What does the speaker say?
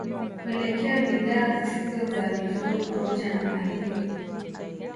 Kuelekea bidhaa zisizo za mifugo pamoja na mahindi